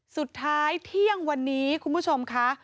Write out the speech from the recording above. สุดท้ายเที่ยงวันนี้คุณผู้ชมค่ะ